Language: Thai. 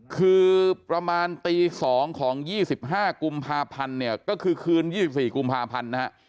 คือประมาณตี๒ของ๒๕กุมภาพันธ์เนี่ยก็คือคืน๒๔กุมภาพันธ์นะฮะ